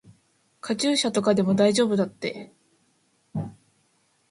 カチューシャとかでも大丈夫だって。